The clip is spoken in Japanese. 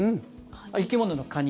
生き物のカニ。